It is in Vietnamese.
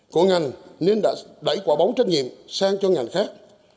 của ngành nên đã đẩy quả bóng trách nhiệm sang cho ngành khác